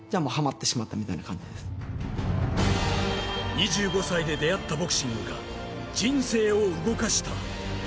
２５歳で出会ったボクシングが人生を動かした。